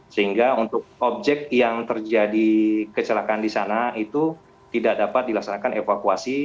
sehingga untuk objek yang terjadi kecelakaan di sana itu tidak dapat dilaksanakan evakuasi